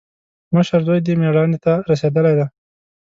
مشر زوی دې مېړانې ته رسېدلی دی.